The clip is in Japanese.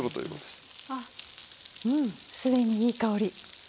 うんすでにいい香り。